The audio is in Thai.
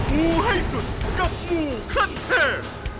งูให้สุดกับงูขั้นเทพ